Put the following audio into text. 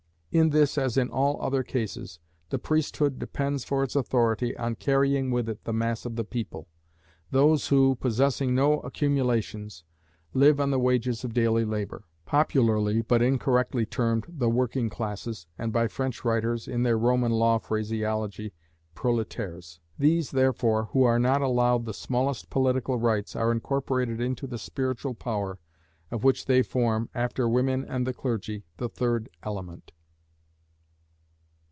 In this as in all other cases, the priesthood depends for its authority on carrying with it the mass of the people those who, possessing no accumulations, live on the wages of daily labour; popularly but incorrectly termed the working classes, and by French writers, in their Roman law phraseology, proletaires. These, therefore, who are not allowed the smallest political rights, are incorporated into the Spiritual Power, of which they form, after women and the clergy, the third element.